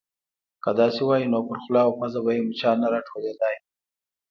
_که داسې وای، نو پر خوله او پزه به يې مچان نه راټولېدای.